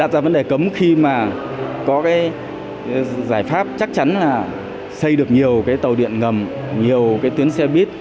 giải pháp chắc chắn là xây được nhiều tàu điện ngầm nhiều tuyến xe bít